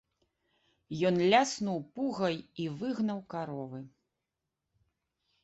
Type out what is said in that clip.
Ён ляснуў пугай і выгнаў каровы.